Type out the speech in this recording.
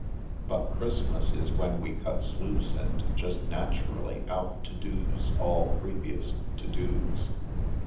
But Christmas is when we cuts loose and just naturally out todos all previous todos.